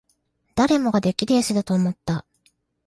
誰もが出来レースだと思った